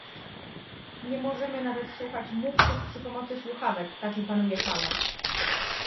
Nie możemy nawet słuchać mówców przy pomocy słuchawek - taki panuje hałas